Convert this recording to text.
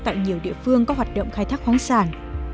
tại nhiều địa phương có hoạt động khai thác khoáng sản